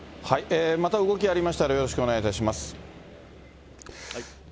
また動きがありましたらよろしくお願いいたします。